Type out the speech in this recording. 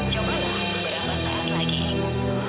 jom kita berangkat lagi